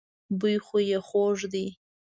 بوی خو يې خوږ دی.